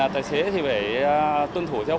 tài xế phải tuân thủ giao thông